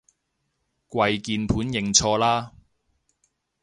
跪鍵盤認錯啦